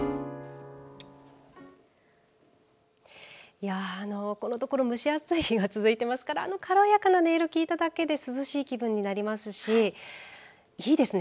いや、あの、このところ蒸し暑い日が続いていますからあの軽やかな音色を聞いただけで涼しい気分になりますしいいですね。